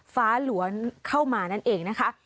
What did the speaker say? ฟ้าหลวนเข้ามานั่นเองนะคะ